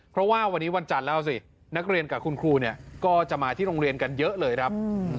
เพราะว่าวันนี้วันจันทร์แล้วสินักเรียนกับคุณครูเนี่ยก็จะมาที่โรงเรียนกันเยอะเลยครับ